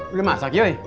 udah masak yoi